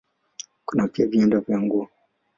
Kuna pia viwanda vya nguo.